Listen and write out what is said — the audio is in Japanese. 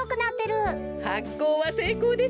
はっこうはせいこうですね。